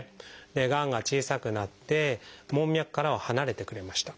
がんが小さくなって門脈からは離れてくれました。